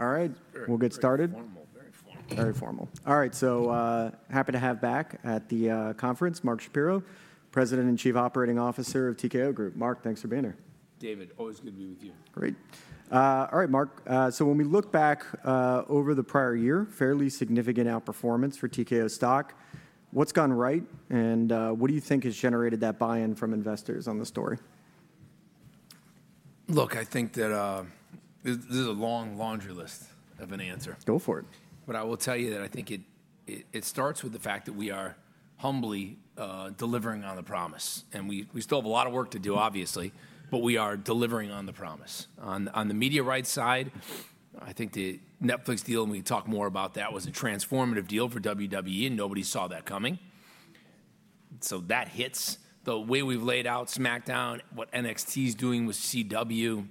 All right, we'll get started. Very formal. All right, so happy to have back at the conference, Mark Shapiro, President and Chief Operating Officer of TKO Group. Mark, thanks for being here. David, always good to be with you. Great. All right, Mark, so when we look back over the prior year, fairly significant outperformance for TKO stock. What's gone right, and what do you think has generated that buy-in from investors on the story? Look, I think that this is a long laundry list of an answer. Go for it. I will tell you that I think it starts with the fact that we are humbly delivering on the promise. We still have a lot of work to do, obviously, but we are delivering on the promise. On the media rights side, I think the Netflix deal, and we can talk more about that, was a transformative deal for WWE, and nobody saw that coming. That hits. The way we've laid out SmackDown, what NXT is doing with CW,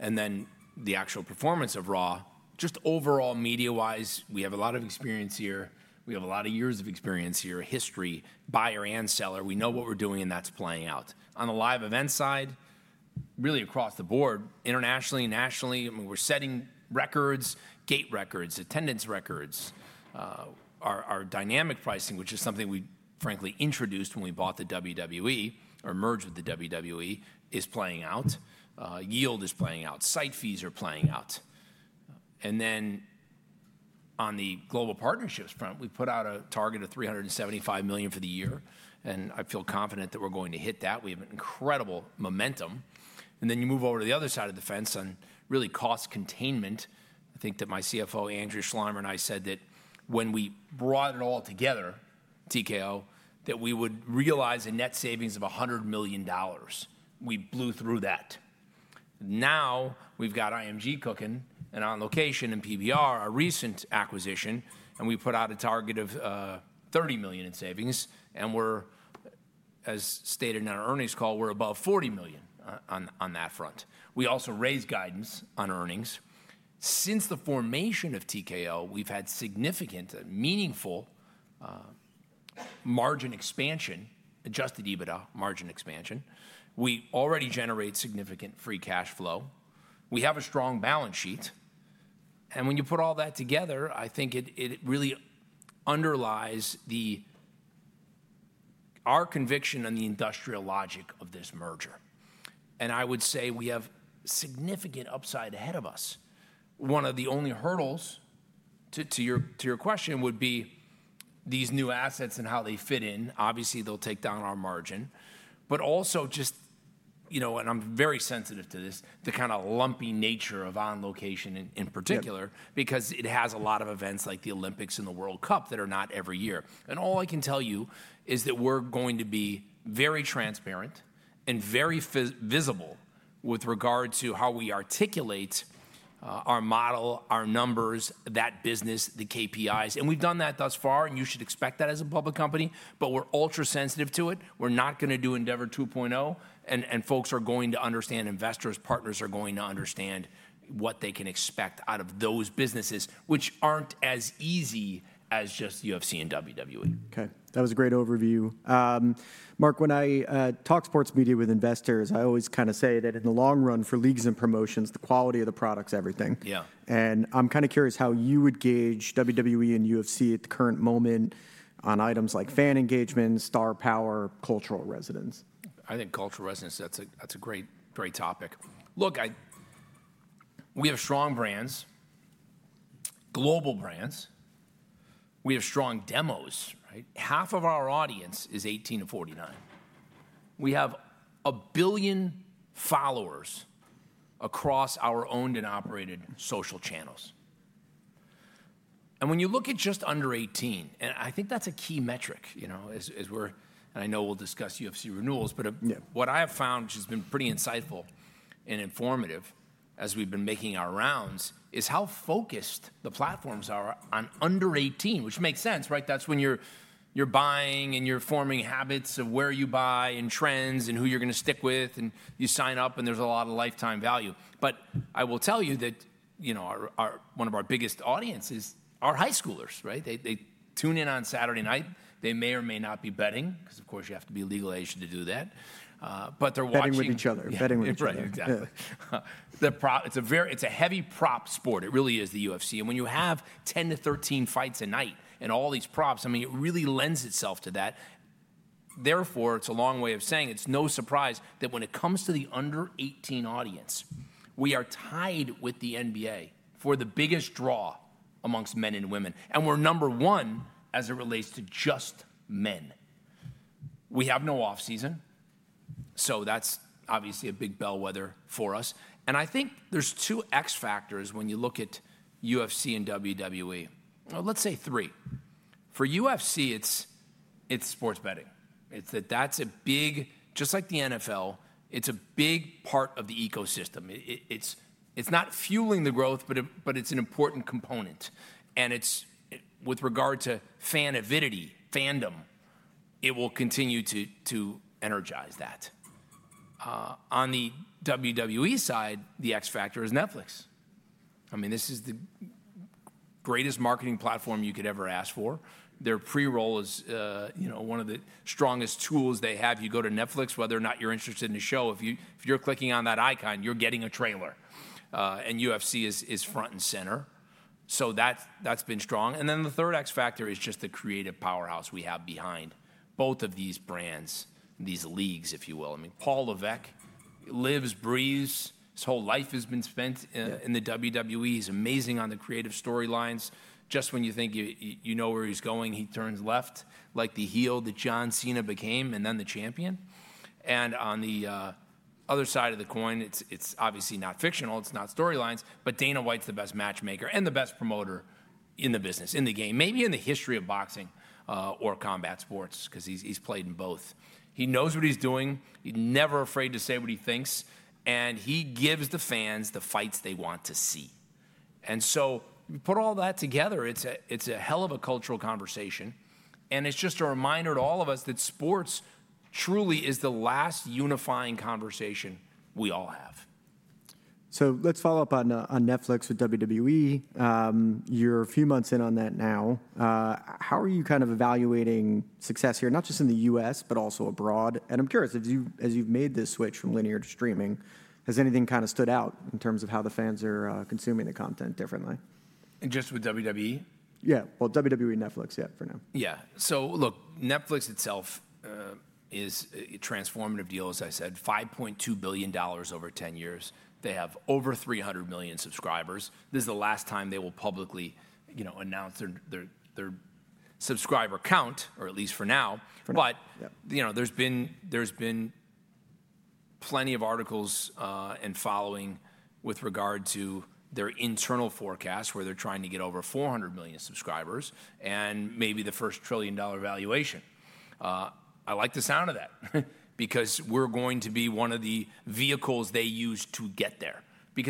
and then the actual performance of Raw, just overall media-wise, we have a lot of experience here. We have a lot of years of experience here, history, buyer and seller. We know what we're doing, and that's playing out. On the live event side, really across the board, internationally, nationally, we're setting records, gate records, attendance records. Our dynamic pricing, which is something we frankly introduced when we bought the WWE or merged with the WWE, is playing out. Yield is playing out. Site fees are playing out. On the global partnerships front, we put out a target of $375 million for the year. I feel confident that we're going to hit that. We have incredible momentum. You move over to the other side of the fence on really cost containment. I think that my CFO, Andrew Schleimer, and I said that when we brought it all together, TKO, that we would realize a net savings of $100 million. We blew through that. Now we've got IMG cooking and On Location and PBR, a recent acquisition, and we put out a target of $30 million in savings. As stated in our earnings call, we're above $40 million on that front. We also raised guidance on earnings. Since the formation of TKO, we've had significant, meaningful margin expansion, adjusted EBITDA margin expansion. We already generate significant free cash flow. We have a strong balance sheet. When you put all that together, I think it really underlies our conviction on the industrial logic of this merger. I would say we have significant upside ahead of us. One of the only hurdles, to your question, would be these new assets and how they fit in. Obviously, they'll take down our margin. Also just, you know, and I'm very sensitive to this, the kind of lumpy nature of On Location in particular, because it has a lot of events like the Olympics and the World Cup that are not every year. All I can tell you is that we're going to be very transparent and very visible with regard to how we articulate our model, our numbers, that business, the KPIs. We've done that thus far, and you should expect that as a public company. We're ultra sensitive to it. We're not going to do Endeavor 2.0. Folks are going to understand, investors, partners are going to understand what they can expect out of those businesses, which aren't as easy as just UFC and WWE. Okay, that was a great overview. Mark, when I talk sports media with investors, I always kind of say that in the long run for leagues and promotions, the quality of the product's everything. Yeah. I'm kind of curious how you would gauge WWE and UFC at the current moment on items like fan engagement, star power, cultural resonance. I think cultural resonance, that's a great topic. Look, we have strong brands, global brands. We have strong demos. Half of our audience is 18-49. We have a billion followers across our owned and operated social channels. When you look at just under 18, and I think that's a key metric, you know, as we're, and I know we'll discuss UFC renewals, what I have found, which has been pretty insightful and informative as we've been making our rounds, is how focused the platforms are on under 18, which makes sense, right? That's when you're buying and you're forming habits of where you buy and trends and who you're going to stick with. You sign up and there's a lot of lifetime value. I will tell you that, you know, one of our biggest audiences is our high schoolers, right? They tune in on Saturday night. They may or may not be betting, because of course you have to be legal age to do that. They are watching. Betting with each other. Right, exactly. It's a heavy prop sport. It really is the UFC. And when you have 10 to 13 fights a night and all these props, I mean, it really lends itself to that. Therefore, it's a long way of saying it's no surprise that when it comes to the under 18 audience, we are tied with the NBA for the biggest draw amongst men and women. And we're number one as it relates to just men. We have no off season. So that's obviously a big bellwether for us. I think there's two X factors when you look at UFC and WWE. Let's say three. For UFC, it's sports betting. It's that that's a big, just like the NFL, it's a big part of the ecosystem. It's not fueling the growth, but it's an important component. With regard to fan avidity, fandom, it will continue to energize that. On the WWE side, the X factor is Netflix. I mean, this is the greatest marketing platform you could ever ask for. Their pre-roll is one of the strongest tools they have. You go to Netflix, whether or not you're interested in the show, if you're clicking on that icon, you're getting a trailer. And UFC is front and center. That has been strong. The third X factor is just the creative powerhouse we have behind both of these brands, these leagues, if you will. I mean, Paul Levesque lives, breathes, his whole life has been spent in the WWE. He's amazing on the creative storylines. Just when you think you know where he's going, he turns left like the heel that John Cena became and then the champion. On the other side of the coin, it's obviously not fictional, it's not storylines, but Dana White's the best matchmaker and the best promoter in the business, in the game, maybe in the history of boxing or combat sports, because he's played in both. He knows what he's doing. He's never afraid to say what he thinks. He gives the fans the fights they want to see. You put all that together, it's a hell of a cultural conversation. It's just a reminder to all of us that sports truly is the last unifying conversation we all have. Let's follow up on Netflix with WWE. You're a few months in on that now. How are you kind of evaluating success here, not just in the U.S., but also abroad? I'm curious, as you've made this switch from linear to streaming, has anything kind of stood out in terms of how the fans are consuming the content differently? Just with WWE? Yeah, WWE and Netflix, yeah, for now. Yeah, so look, Netflix itself is a transformative deal, as I said, $5.2 billion over 10 years. They have over 300 million subscribers. This is the last time they will publicly announce their subscriber count, or at least for now. There have been plenty of articles and following with regard to their internal forecast, where they're trying to get over 400 million subscribers and maybe the first trillion dollar valuation. I like the sound of that, because we're going to be one of the vehicles they use to get there.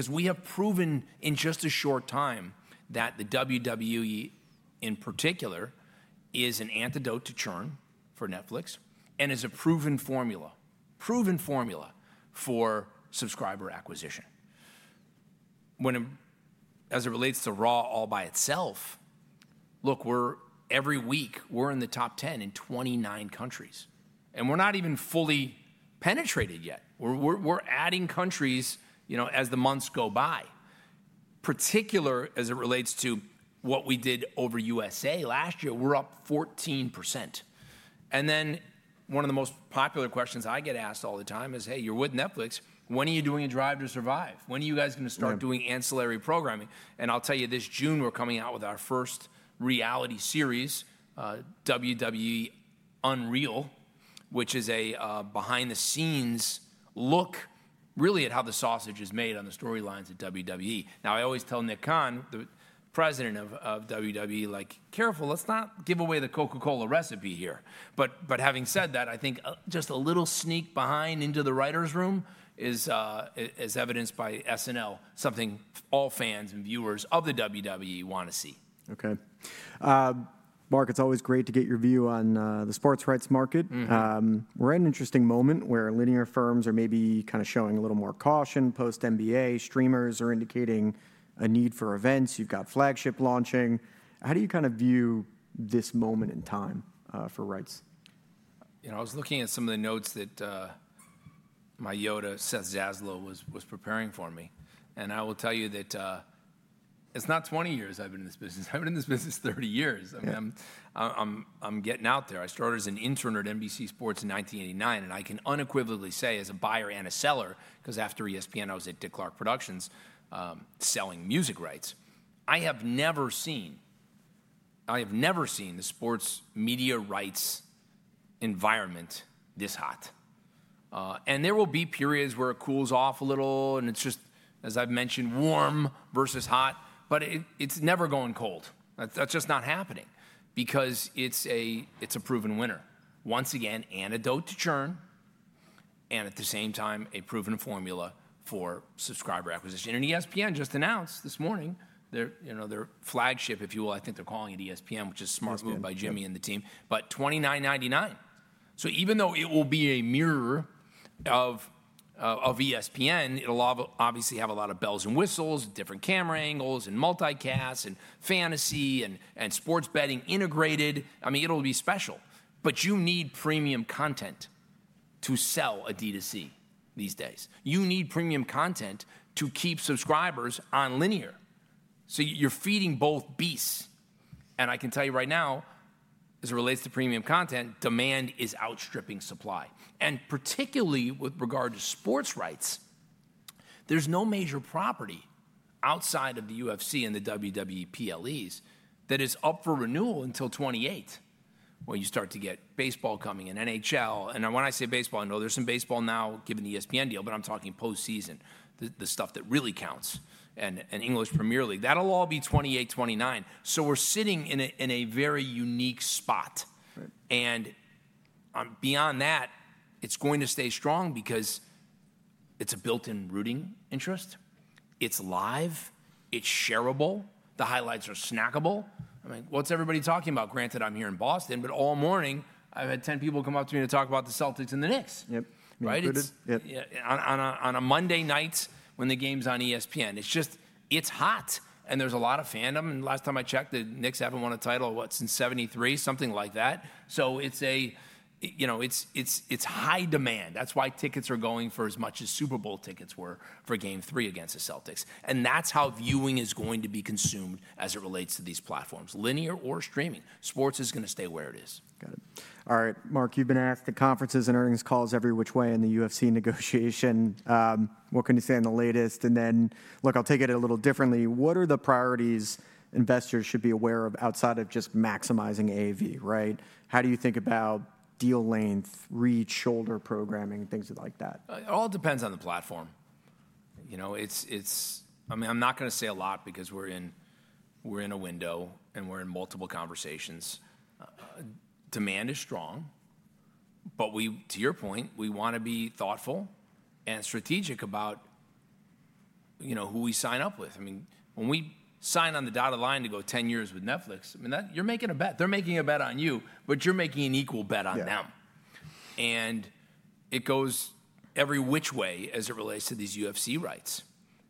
We have proven in just a short time that the WWE in particular is an antidote to churn for Netflix and is a proven formula, proven formula for subscriber acquisition. As it relates to Raw all by itself, look, every week we're in the top 10 in 29 countries. We're not even fully penetrated yet. We're adding countries as the months go by. Particularly as it relates to what we did over USA last year, we're up 14%. One of the most popular questions I get asked all the time is, hey, you're with Netflix, when are you doing a Drive to Survive? When are you guys going to start doing ancillary programming? I'll tell you this, June we're coming out with our first reality series, WWE Unreal, which is a behind-the-scenes look really at how the sausage is made on the storylines at WWE. I always tell Nick Khan, the President of WWE, like, careful, let's not give away the Coca-Cola recipe here. Having said that, I think just a little sneak behind into the writer's room is evidenced by SNL, something all fans and viewers of the WWE want to see. Okay. Mark, it's always great to get your view on the sports rights market. We're at an interesting moment where linear firms are maybe kind of showing a little more caution post-NBA. Streamers are indicating a need for events. You've got flagship launching. How do you kind of view this moment in time for rights? You know, I was looking at some of the notes that my Yoda, Seth Zaslow, was preparing for me. I will tell you that it's not 20 years I've been in this business. I've been in this business 30 years. I'm getting out there. I started as an intern at NBC Sports in 1989. I can unequivocally say as a buyer and a seller, because after ESPN I was at Dick Clark Productions selling music rights, I have never seen the sports media rights environment this hot. There will be periods where it cools off a little, and it's just, as I've mentioned, warm versus hot. It's never going cold. That's just not happening, because it's a proven winner. Once again, antidote to churn, and at the same time a proven formula for subscriber acquisition. ESPN just announced this morning their flagship, if you will, I think they're calling it ESPN, which is a smart move by Jimmy and the team, but $29.99. Even though it will be a mirror of ESPN, it'll obviously have a lot of bells and whistles, different camera angles and multicast and fantasy and sports betting integrated. I mean, it'll be special. You need premium content to sell a D to C these days. You need premium content to keep subscribers on linear. You're feeding both beasts. I can tell you right now, as it relates to premium content, demand is outstripping supply. Particularly with regard to sports rights, there's no major property outside of the UFC and the WWE PLEs that is up for renewal until 2028, when you start to get baseball coming and NHL. When I say baseball, I know there's some baseball now given the ESPN deal, but I'm talking post-season, the stuff that really counts, and English Premier League. That'll all be $28.29. We're sitting in a very unique spot. Beyond that, it's going to stay strong because it's a built-in rooting interest. It's live. It's shareable. The highlights are snackable. I mean, what's everybody talking about? Granted, I'm here in Boston, but all morning I've had 10 people come up to me to talk about the Celtics and the Knicks. Yep, I mean, it's good. On a Monday night when the game's on ESPN, it's just, it's hot. And there's a lot of fandom. Last time I checked, the Knicks haven't won a title, what, since 1973, something like that. So it's a, you know, it's high demand. That's why tickets are going for as much as Super Bowl tickets were for game three against the Celtics. That's how viewing is going to be consumed as it relates to these platforms, linear or streaming. Sports is going to stay where it is. Got it. All right, Mark, you've been asked at conferences and earnings calls every which way in the UFC negotiation. What can you say in the latest? Look, I'll take it a little differently. What are the priorities investors should be aware of outside of just maximizing AAV, right? How do you think about deal length, reach, shoulder programming, things like that? It all depends on the platform. You know, it's, I mean, I'm not going to say a lot because we're in a window and we're in multiple conversations. Demand is strong. We, to your point, we want to be thoughtful and strategic about, you know, who we sign up with. I mean, when we sign on the dotted line to go 10 years with Netflix, I mean, you're making a bet. They're making a bet on you, but you're making an equal bet on them. It goes every which way as it relates to these UFC rights.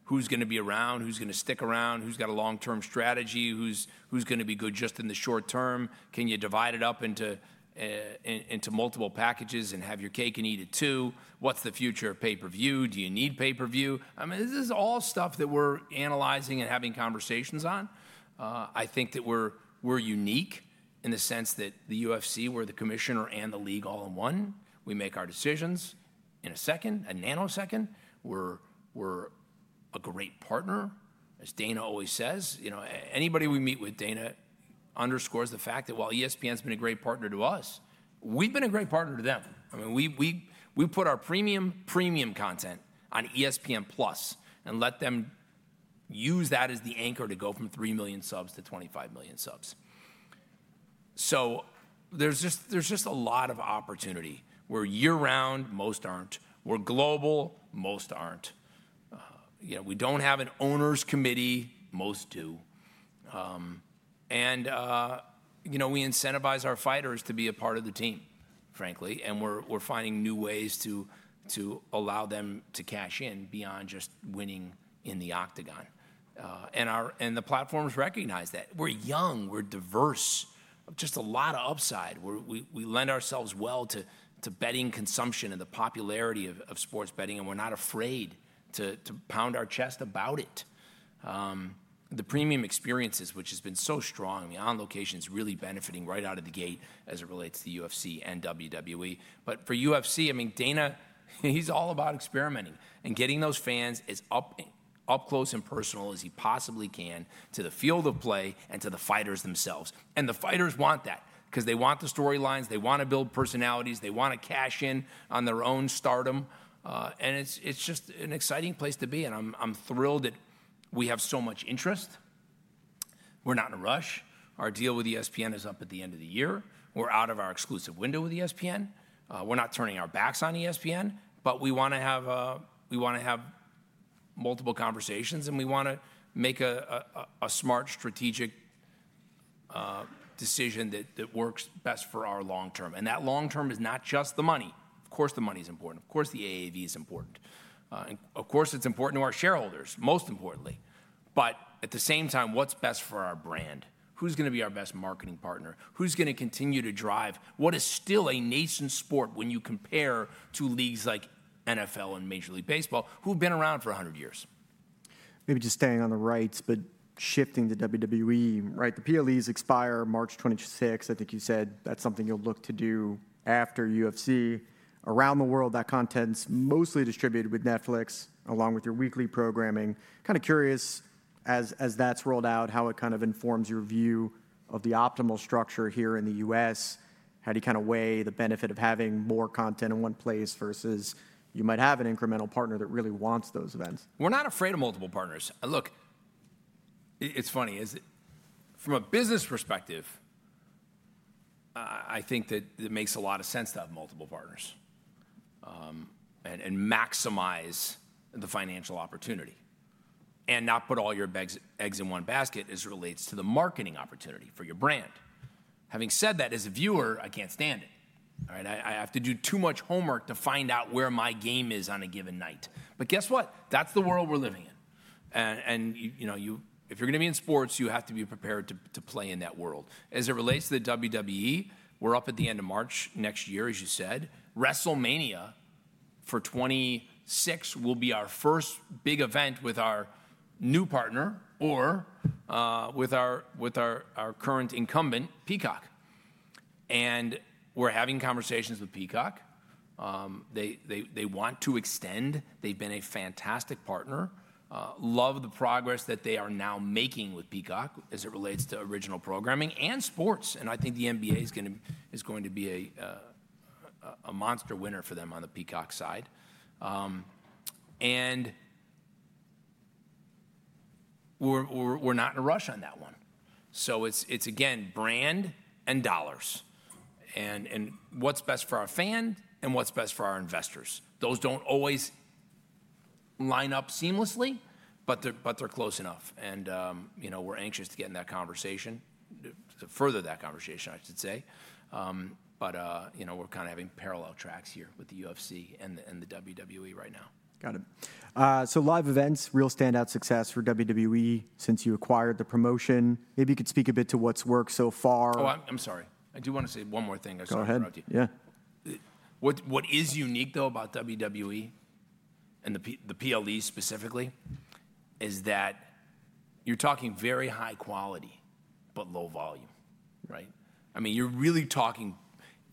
Who's going to be around? Who's going to stick around? Who's got a long-term strategy? Who's going to be good just in the short term? Can you divide it up into multiple packages and have your cake and eat it too? What's the future of pay-per-view? Do you need pay-per-view? I mean, this is all stuff that we're analyzing and having conversations on. I think that we're unique in the sense that the UFC, we're the commissioner and the league all in one. We make our decisions in a second, a nanosecond. We're a great partner, as Dana always says. You know, anybody we meet with, Dana underscores the fact that while ESPN's been a great partner to us, we've been a great partner to them. I mean, we put our premium, premium content on ESPN Plus and let them use that as the anchor to go from 3 million subs to 25 million subs. There is just a lot of opportunity where year-round, most aren't. We're global, most aren't. You know, we don't have an owners' committee, most do. You know, we incentivize our fighters to be a part of the team, frankly. We're finding new ways to allow them to cash in beyond just winning in the octagon. The platforms recognize that. We're young, we're diverse, just a lot of upside. We lend ourselves well to betting consumption and the popularity of sports betting. We're not afraid to pound our chest about it. The premium experiences, which has been so strong, I mean, On Location is really benefiting right out of the gate as it relates to the UFC and WWE. For UFC, I mean, Dana, he's all about experimenting and getting those fans as up close and personal as he possibly can to the field of play and to the fighters themselves. The fighters want that because they want the storylines, they want to build personalities, they want to cash in on their own stardom. It's just an exciting place to be. I'm thrilled that we have so much interest. We're not in a rush. Our deal with ESPN is up at the end of the year. We're out of our exclusive window with ESPN. We're not turning our backs on ESPN. We want to have multiple conversations and we want to make a smart, strategic decision that works best for our long term. That long term is not just the money. Of course, the money's important. Of course, the AAV is important. Of course, it's important to our shareholders, most importantly. At the same time, what's best for our brand? Who's going to be our best marketing partner? Who's going to continue to drive what is still a nascent sport when you compare to leagues like NFL and Major League Baseball who've been around for 100 years? Maybe just staying on the rights, but shifting to WWE, right? The PLEs expire March 26th, I think you said. That's something you'll look to do after UFC. Around the world, that content's mostly distributed with Netflix along with your weekly programming. Kind of curious, as that's rolled out, how it kind of informs your view of the optimal structure here in the U.S. How do you kind of weigh the benefit of having more content in one place versus you might have an incremental partner that really wants those events? We're not afraid of multiple partners. Look, it's funny, from a business perspective, I think that it makes a lot of sense to have multiple partners and maximize the financial opportunity and not put all your eggs in one basket as it relates to the marketing opportunity for your brand. Having said that, as a viewer, I can't stand it. I have to do too much homework to find out where my game is on a given night. Guess what? That's the world we're living in. If you're going to be in sports, you have to be prepared to play in that world. As it relates to the WWE, we're up at the end of March next year, as you said. WrestleMania for 2026 will be our first big event with our new partner or with our current incumbent, Peacock. We're having conversations with Peacock. They want to extend. They've been a fantastic partner. Love the progress that they are now making with Peacock as it relates to original programming and sports. I think the NBA is going to be a monster winner for them on the Peacock side. We're not in a rush on that one. It is, again, brand and dollars and what's best for our fan and what's best for our investors. Those do not always line up seamlessly, but they're close enough. We're anxious to get in that conversation, to further that conversation, I should say. We're kind of having parallel tracks here with the UFC and the WWE right now. Got it. Live events, real standout success for WWE since you acquired the promotion. Maybe you could speak a bit to what's worked so far. Oh, I'm sorry. I do want to say one more thing. Go ahead. What is unique, though, about WWE and the PLE specifically is that you're talking very high quality, but low volume, right? I mean, you're really talking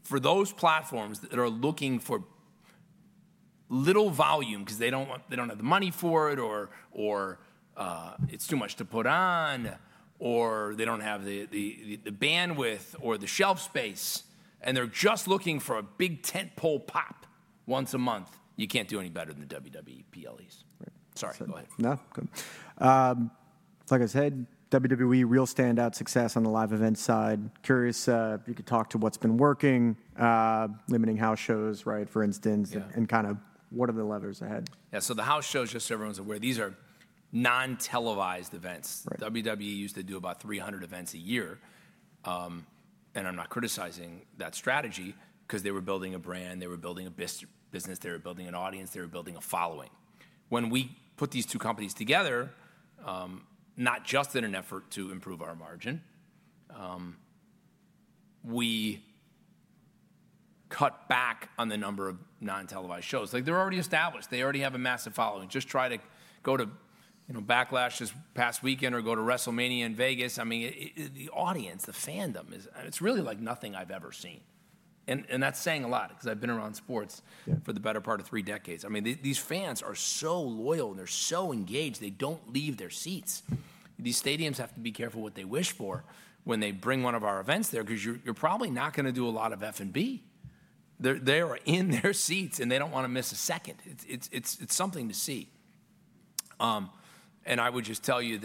for those platforms that are looking for little volume because they don't have the money for it or it's too much to put on or they don't have the bandwidth or the shelf space. They are just looking for a big tentpole pop once a month. You can't do any better than the WWE PLEs. Sorry, go ahead. No, good. Like I said, WWE, real standout success on the live events side. Curious if you could talk to what's been working, limiting house shows, right, for instance, and kind of what are the levers ahead? Yeah, so the house shows, just so everyone's aware, these are non-televised events. WWE used to do about 300 events a year. I'm not criticizing that strategy because they were building a brand, they were building a business, they were building an audience, they were building a following. When we put these two companies together, not just in an effort to improve our margin, we cut back on the number of non-televised shows. Like they're already established. They already have a massive following. Just try to go to Backlash this past weekend or go to WrestleMania in Vegas. I mean, the audience, the fandom, it's really like nothing I've ever seen. And that's saying a lot because I've been around sports for the better part of three decades. I mean, these fans are so loyal and they're so engaged, they don't leave their seats. These stadiums have to be careful what they wish for when they bring one of our events there because you're probably not going to do a lot of F&B. They are in their seats and they don't want to miss a second. It's something to see. I would just tell you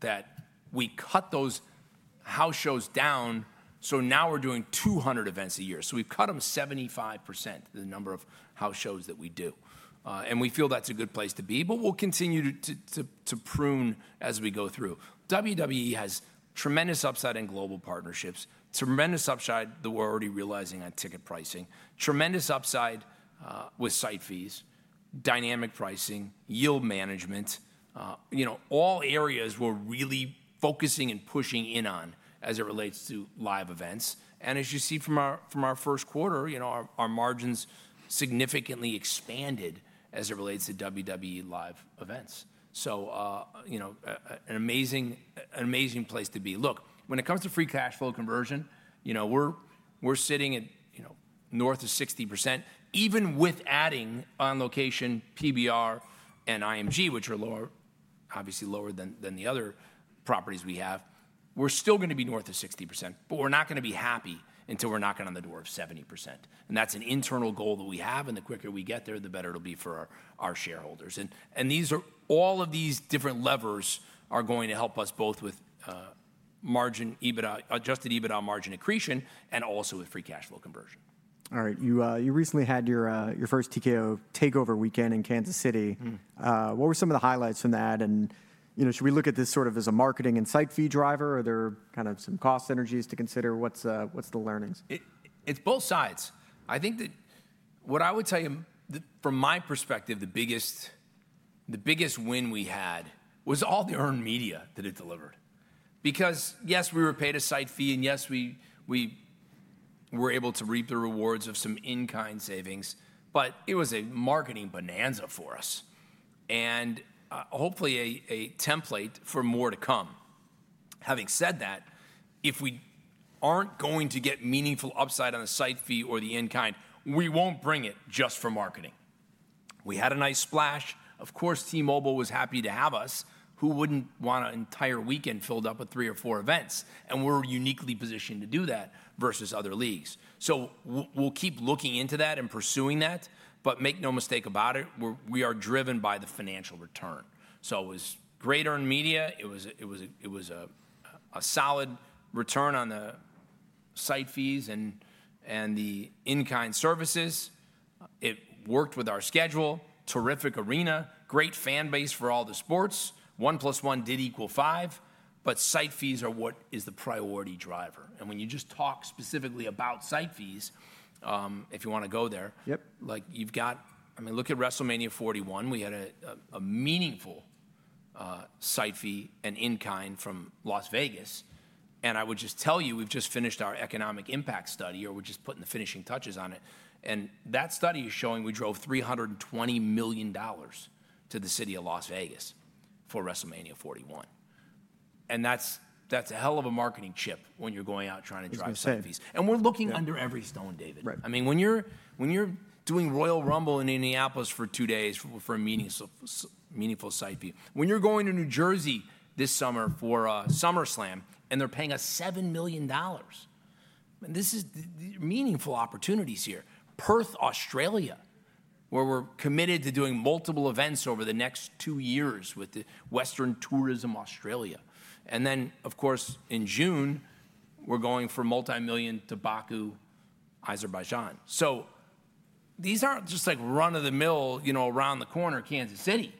that we cut those house shows down. Now we're doing 200 events a year. We've cut them 75%, the number of house shows that we do. We feel that's a good place to be, but we'll continue to prune as we go through. WWE has tremendous upside in global partnerships, tremendous upside that we're already realizing on ticket pricing, tremendous upside with site fees, dynamic pricing, yield management. You know, all areas we're really focusing and pushing in on as it relates to live events. As you see from our first quarter, you know, our margins significantly expanded as it relates to WWE live events. You know, an amazing place to be. Look, when it comes to free cash flow conversion, you know, we're sitting at north of 60%. Even with adding On Location, PBR, and IMG, which are obviously lower than the other properties we have, we're still going to be north of 60%. We're not going to be happy until we're knocking on the door of 70%. That's an internal goal that we have. The quicker we get there, the better it'll be for our shareholders. All of these different levers are going to help us both with margin, adjusted EBITDA margin accretion, and also with free cash flow conversion. All right. You recently had your first TKO takeover weekend in Kansas City. What were some of the highlights from that? Should we look at this sort of as a marketing and site fee driver? Are there kind of some cost synergies to consider? What are the learnings? It's both sides. I think that what I would tell you from my perspective, the biggest win we had was all the earned media that it delivered. Because yes, we were paid a site fee and yes, we were able to reap the rewards of some in-kind savings, but it was a marketing bonanza for us and hopefully a template for more to come. Having said that, if we aren't going to get meaningful upside on the site fee or the in-kind, we won't bring it just for marketing. We had a nice splash. Of course, T-Mobile was happy to have us. Who wouldn't want an entire weekend filled up with three or four events? We are uniquely positioned to do that versus other leagues. We will keep looking into that and pursuing that. Make no mistake about it, we are driven by the financial return. It was great earned media. It was a solid return on the site fees and the in-kind services. It worked with our schedule, terrific arena, great fan base for all the sports. One plus one did equal five. Site fees are what is the priority driver. When you just talk specifically about site fees, if you want to go there, like you've got, I mean, look at WrestleMania 41. We had a meaningful site fee and in-kind from Las Vegas. I would just tell you, we've just finished our economic impact study or we're just putting the finishing touches on it. That study is showing we drove $320 million to the city of Las Vegas for WrestleMania 41. That's a hell of a marketing chip when you're going out trying to drive site fees. We're looking under every stone, David. I mean, when you're doing Royal Rumble in Minneapolis for two days for a meaningful site fee, when you're going to New Jersey this summer for a SummerSlam and they're paying us $7 million. I mean, these are meaningful opportunities here. Perth, Australia, where we're committed to doing multiple events over the next two years with the Western Tourism Australia. And then, of course, in June, we're going for multi-million tobacco, Azerbaijan. So these aren't just like run-of-the-mill, you know, around the corner Kansas City.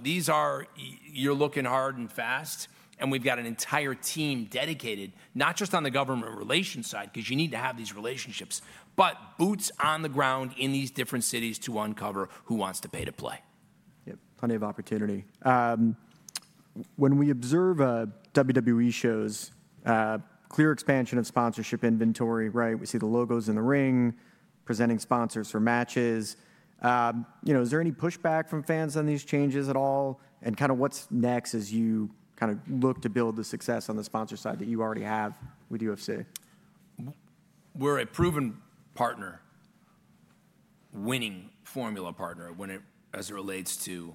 These are, you're looking hard and fast. And we've got an entire team dedicated, not just on the government relations side because you need to have these relationships, but boots on the ground in these different cities to uncover who wants to pay to play. Yep, plenty of opportunity. When we observe WWE shows, clear expansion of sponsorship inventory, right? We see the logos in the ring, presenting sponsors for matches. You know, is there any pushback from fans on these changes at all? Kind of what's next as you kind of look to build the success on the sponsor side that you already have with UFC? We're a proven partner, winning formula partner as it relates to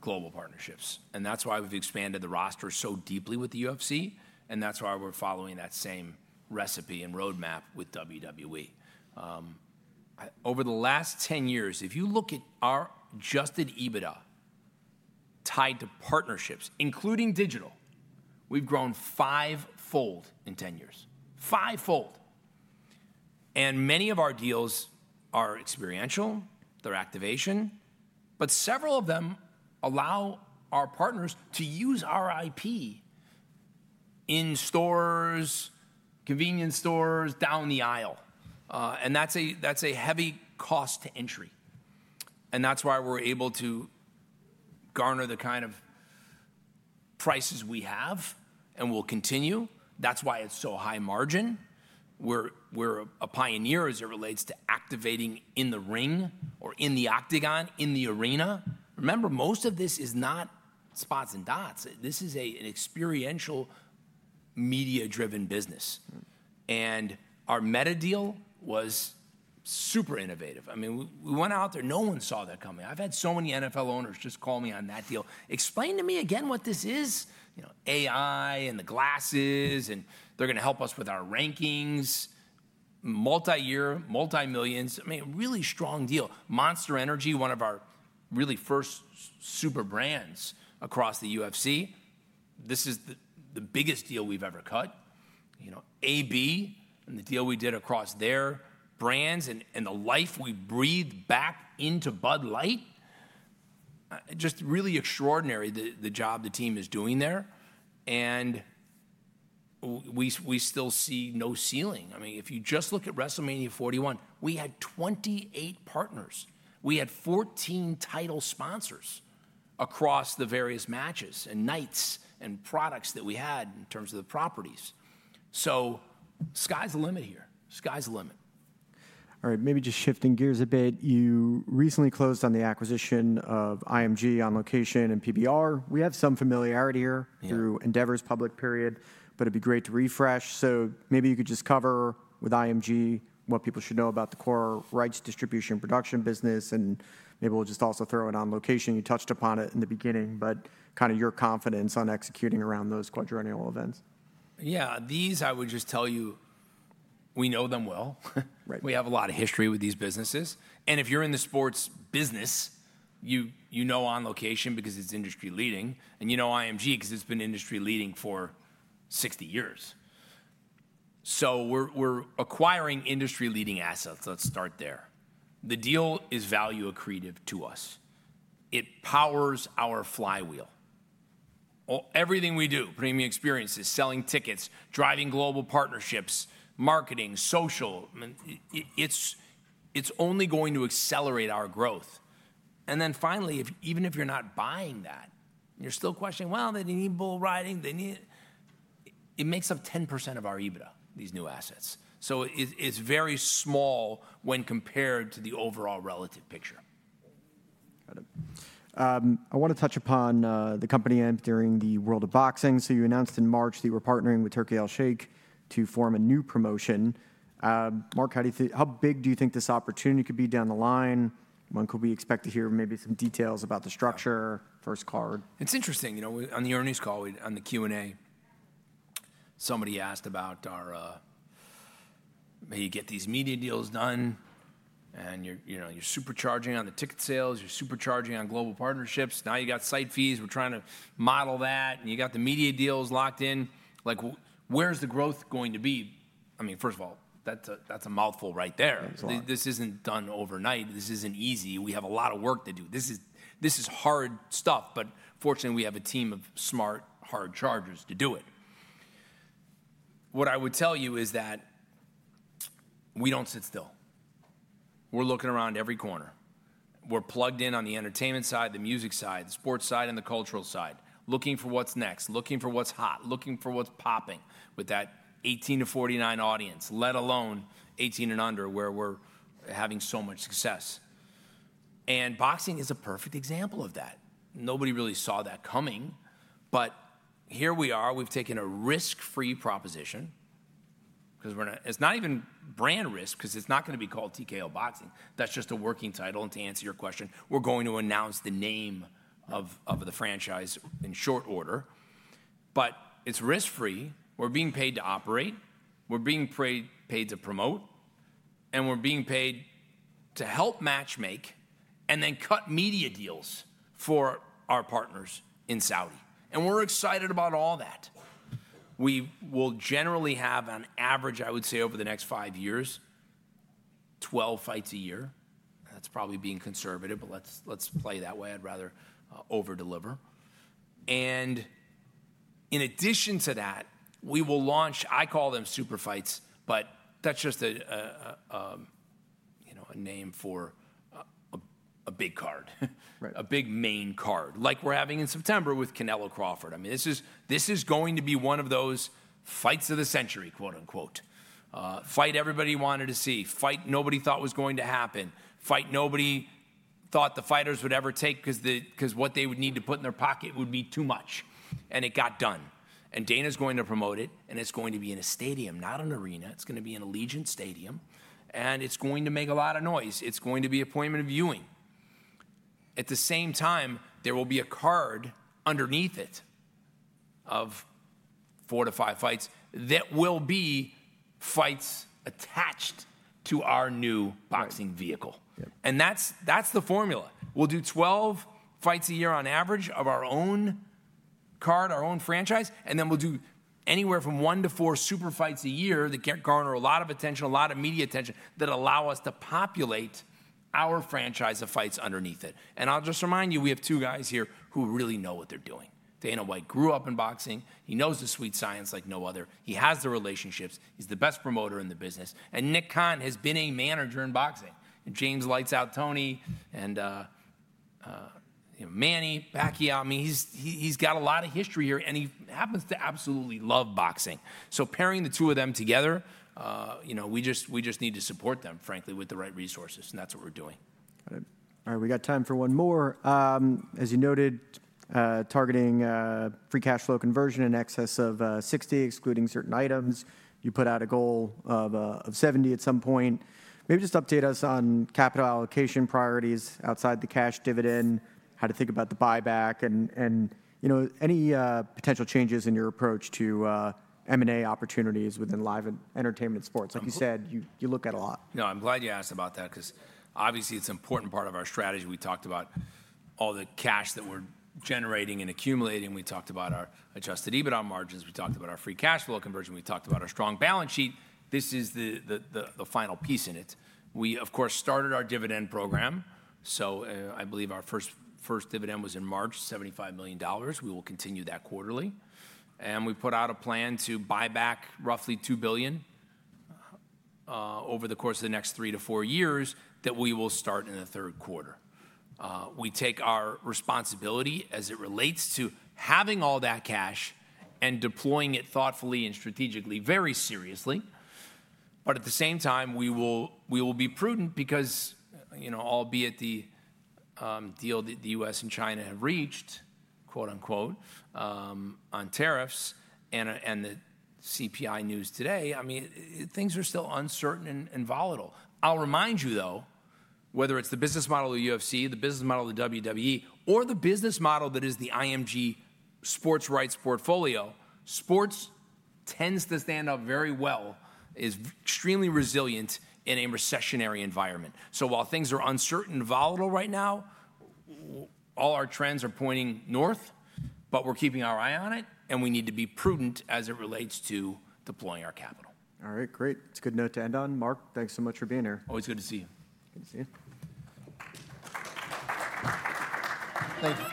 global partnerships. That is why we've expanded the roster so deeply with the UFC. That is why we're following that same recipe and roadmap with WWE. Over the last 10 years, if you look at our adjusted EBITDA tied to partnerships, including digital, we've grown fivefold in 10 years, fivefold. Many of our deals are experiential, they're activation, but several of them allow our partners to use our IP in stores, convenience stores down the aisle. That is a heavy cost to entry. That is why we're able to garner the kind of prices we have and we'll continue. That is why it's so high-margin. We're a pioneer as it relates to activating in the ring or in the octagon, in the arena. Remember, most of this is not spots and dots. This is an experiential media-driven business. Our Meta deal was super innovative. I mean, we went out there, no one saw that coming. I've had so many NFL owners just call me on that deal. Explain to me again what this is. You know, AI and the glasses and they're going to help us with our rankings, multi-year, multi-millions. I mean, a really strong deal. Monster Energy, one of our really first super brands across the UFC. This is the biggest deal we've ever cut. You know, A/B and the deal we did across their brands and the life we breathed back into Bud Light. Just really extraordinary the job the team is doing there. We still see no ceiling. I mean, if you just look at WrestleMania 41, we had 28 partners. We had 14 title sponsors across the various matches and nights and products that we had in terms of the properties. Sky's the limit here. Sky's the limit. All right, maybe just shifting gears a bit. You recently closed on the acquisition of IMG, On Location, and PBR. We have some familiarity here through Endeavor's public period, but it'd be great to refresh. Maybe you could just cover with IMG what people should know about the core rights distribution production business. Maybe we'll just also throw in On Location. You touched upon it in the beginning, but kind of your confidence on executing around those quadrennial events. Yeah, these I would just tell you, we know them well. We have a lot of history with these businesses. If you're in the sports business, you know On Location because it's industry leading. You know IMG because it's been industry leading for 60 years. We are acquiring industry-leading assets. Let's start there. The deal is value accretive to us. It powers our flywheel. Everything we do, premium experiences, selling tickets, driving global partnerships, marketing, social, it's only going to accelerate our growth. Finally, even if you're not buying that, you're still questioning, they need bull riding. It makes up 10% of our EBITDA, these new assets. It is very small when compared to the overall relative picture. Got it. I want to touch upon the company entering the world of boxing. You announced in March that you were partnering with Turki Al-Sheikh to form a new promotion. Mark, how big do you think this opportunity could be down the line? When could we be expected to hear maybe some details about the structure, first card? It's interesting. You know, on the earnings call, on the Q&A, somebody asked about how you get these media deals done. And you're supercharging on the ticket sales, you're supercharging on global partnerships. Now you got site fees. We're trying to model that. And you got the media deals locked in. Like where's the growth going to be? I mean, first of all, that's a mouthful right there. This isn't done overnight. This isn't easy. We have a lot of work to do. This is hard stuff. But fortunately, we have a team of smart, hard chargers to do it. What I would tell you is that we don't sit still. We're looking around every corner. We're plugged in on the entertainment side, the music side, the sports side, and the cultural side, looking for what's next, looking for what's hot, looking for what's popping with that 18-49 audience, let alone 18 and under where we're having so much success. Boxing is a perfect example of that. Nobody really saw that coming. Here we are. We've taken a risk-free proposition because it's not even brand risk because it's not going to be called TKO Boxing. That's just a working title. To answer your question, we're going to announce the name of the franchise in short order. It's risk-free. We're being paid to operate. We're being paid to promote. We're being paid to help matchmake and then cut media deals for our partners in Saudi. We're excited about all that. We will generally have an average, I would say over the next five years, 12 fights a year. That's probably being conservative, but let's play that way. I'd rather overdeliver. In addition to that, we will launch, I call them super fights, but that's just a name for a big card, a big main card, like we're having in September with Canelo vs Crawford. I mean, this is going to be one of those fights of the century, quote unquote. Fight everybody wanted to see, fight nobody thought was going to happen, fight nobody thought the fighters would ever take because what they would need to put in their pocket would be too much. It got done. Dana's going to promote it. It's going to be in a stadium, not an arena. It's going to be in Allegiant Stadium. It's going to make a lot of noise. It's going to be appointment viewing. At the same time, there will be a card underneath it of four to five fights that will be fights attached to our new boxing vehicle. That's the formula. We'll do 12 fights a year on average of our own card, our own franchise. Then we'll do anywhere from one to four super fights a year that garner a lot of attention, a lot of media attention that allow us to populate our franchise of fights underneath it. I'll just remind you, we have two guys here who really know what they're doing. Dana White grew up in boxing. He knows the sweet science like no other. He has the relationships. He's the best promoter in the business. Nick Khan has been a manager in boxing. James "Lights Out" Toney and Manny Pacquiao. I mean, he's got a lot of history here. I mean, he happens to absolutely love boxing. Pairing the two of them together, you know, we just need to support them, frankly, with the right resources. That's what we're doing. All right, we got time for one more. As you noted, targeting free cash flow conversion in excess of 60%, excluding certain items. You put out a goal of 70% at some point. Maybe just update us on capital allocation priorities outside the cash dividend, how to think about the buyback, and you know, any potential changes in your approach to M&A opportunities within live and entertainment sports. Like you said, you look at a lot. No, I'm glad you asked about that because obviously it's an important part of our strategy. We talked about all the cash that we're generating and accumulating. We talked about our adjusted EBITDA margins. We talked about our free cash flow conversion. We talked about our strong balance sheet. This is the final piece in it. We, of course, started our dividend program. I believe our first dividend was in March, $75 million. We will continue that quarterly. We put out a plan to buy back roughly $2 billion over the course of the next three to four years that we will start in the third quarter. We take our responsibility as it relates to having all that cash and deploying it thoughtfully and strategically, very seriously. At the same time, we will be prudent because, you know, albeit the deal that the U.S. and China have reached, quote unquote, on tariffs and the CPI news today, I mean, things are still uncertain and volatile. I'll remind you though, whether it's the business model of the UFC, the business model of the WWE, or the business model that is the IMG Sports Rights portfolio, sports tends to stand up very well, is extremely resilient in a recessionary environment. While things are uncertain and volatile right now, all our trends are pointing north, but we're keeping our eye on it. We need to be prudent as it relates to deploying our capital. All right, great. It's a good note to end on. Mark, thanks so much for being here. Always good to see you. Good to see you. Thanks.